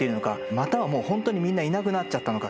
またはもうほんとにみんないなくなっちゃったのか。